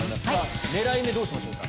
狙い目どうしましょうか？